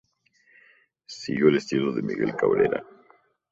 Siguió el estilo de Miguel Cabrera.